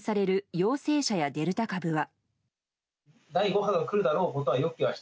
陽性者やデルタ株は。